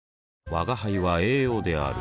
吾輩は栄養である